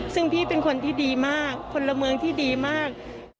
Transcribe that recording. ซึ่งพี่เป็นคนที่ดีมากพลเมืองที่ดีมาก